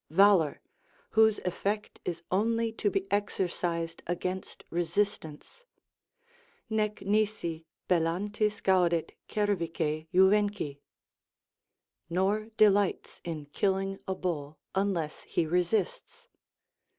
Valour, whose effect is only to be exercised against resistance "Nec nisi bellantis gaudet cervice juvenci" ["Nor delights in killing a bull unless he resists."